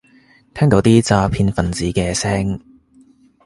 聽到啲詐騙份子嘅聲